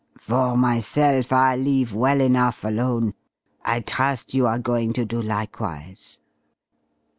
For myself, I leave well enough alone. I trust you are going to do likewise?"